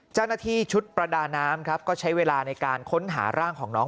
เจ้าหน้าที่ชุดประดาน้ำครับก็ใช้เวลาในการค้นหาร่างของน้อง